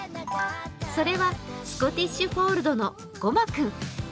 それはスコティッシュフォールドのごま君。